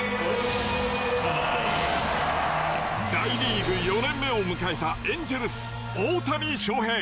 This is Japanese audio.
大リーグ４年目を迎えたエンジェルス大谷翔平。